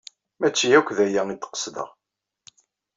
Maci akk d aya ay d-qesdeɣ.